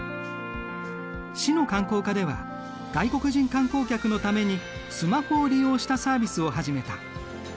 市の観光課では外国人観光客のためにスマホを利用したサービスを始めた。